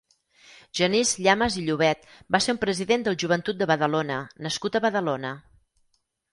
Genís Llamas i Llobet va ser un president del Joventut de Badalona nascut a Badalona.